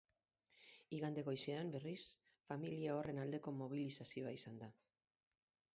Igande goizean, berriz, familia horren aldeko mobilizazioa izan da.